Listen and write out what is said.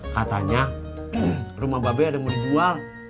katanya rumah mbak abe ada yang mau dijual